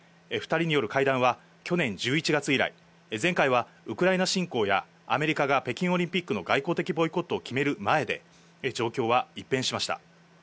２人による会談は去年１１月以来、前回はウクライナ侵攻や、アメリカが北京オリンピックの外交的ボイコットを決める前で、状況は一変しました。